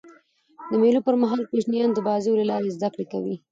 د مېلو پر مهال کوچنيان د بازيو له لاري زدهکړه کوي.